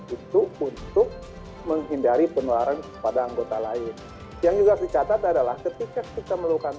itu untuk menghindari penularan kepada anggota lain yang juga dicatat adalah ketika kita melakukan